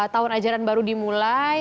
tahun ajaran baru dimulai